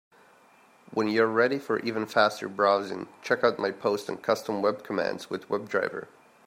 When you are ready for even faster browsing, check out my post on Custom web commands with WebDriver.